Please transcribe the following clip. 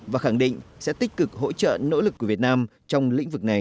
và khẳng định sẽ tích cực hỗ trợ nỗ lực của việt nam trong lĩnh vực này